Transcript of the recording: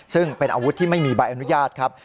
ซึ่งเป็นอาวุธที่ไม่มีใบอนุญาตครับ